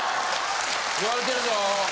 言われてるぞ。